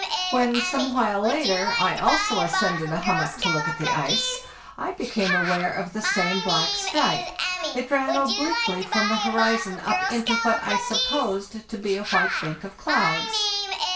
When, some while later, I also ascended a hummock to look at the ice, I became aware of the same black stripe; 1t ran obliquely from the horizon up into what I supposed to be a white bank of clouds.